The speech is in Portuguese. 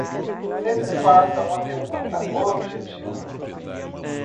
Sempre faça uma pergunta objetiva.